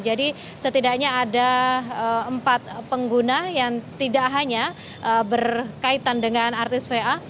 jadi setidaknya ada empat pengguna yang tidak hanya berkaitan dengan artis va